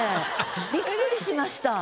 びっくりしました。